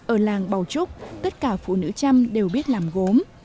ở làng bảo trúc tất cả phụ nữ trăm đều biết làm gốm